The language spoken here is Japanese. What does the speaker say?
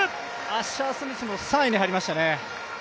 アッシャー・スミスも３位に入りましたね。